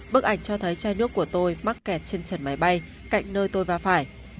bức ảnh cho thấy chai nước của tôi mắc kẹt trên trần máy bay cạnh nơi tôi va phải